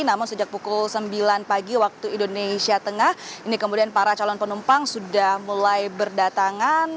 namun sejak pukul sembilan pagi waktu indonesia tengah ini kemudian para calon penumpang sudah mulai berdatangan